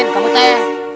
ini tuh buat makanan diri